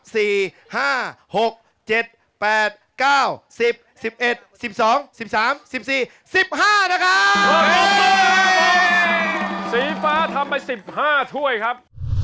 สีฟ้าทำไป๑๕ถ้วยครับ